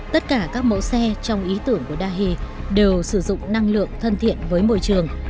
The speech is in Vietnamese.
tất cả các mẫu xe trong ý tưởng của dahe đều sử dụng năng lượng thân thiện với môi trường